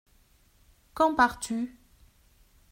Quand pars-tu ?